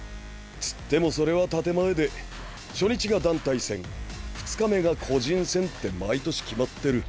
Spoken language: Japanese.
つってもそれは建て前で初日が団体戦２日目が個人戦って毎年決まってる。